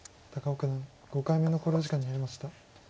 高尾九段５回目の考慮時間に入りました。